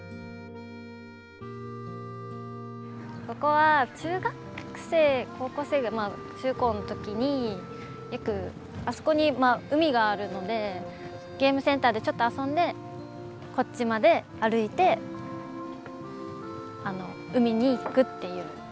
ここは中学生高校生がまあ中高の時によくあそこに海があるのでゲームセンターでちょっと遊んでこっちまで歩いて海に行くっていう。